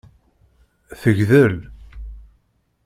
Tegdel.